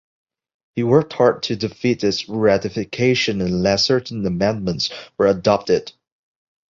He worked hard to defeat its ratification unless certain amendments were adopted.